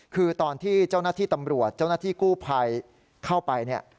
คือตอนที่เจ้าหน้าที่ตำรวจเจ้าหน้าที่กู้ภัยเข้าไปเนี่ย